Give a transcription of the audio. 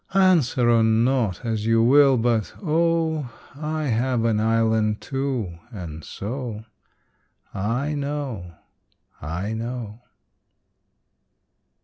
Answer or not as you will, but oh, I have an island, too, and so I know, I know.